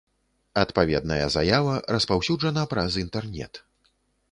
Адпаведная заява распаўсюджана праз інтэрнет.